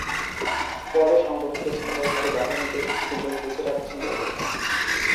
পরে সংগঠিত ছিনতাইকারী বাহিনীটি সুযোগ বুঝে টাকা ছিনতাই করত।